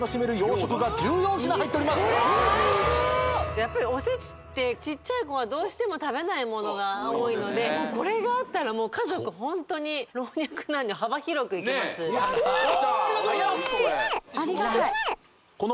やっぱりおせちってちっちゃい子がどうしても食べないものが多いのでこれがあったら家族ホントにありがとうございます！